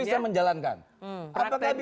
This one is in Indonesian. itu sudah terang daripada pelatih